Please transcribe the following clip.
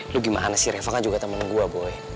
lo gimana sih reva kan juga temen gue boy